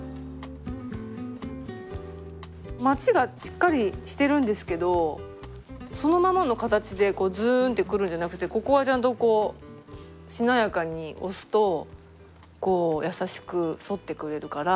マチがしっかりしてるんですけどそのままの形でずんってくるんじゃなくてここはちゃんとこうしなやかに押すとこう優しく沿ってくれるから。